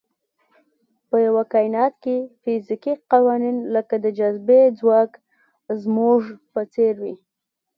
په یوه کاینات کې فزیکي قوانین لکه د جاذبې ځواک زموږ په څېر وي.